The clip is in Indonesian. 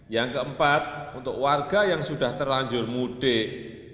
yang keempat untuk warga yang sudah terlanjur mudik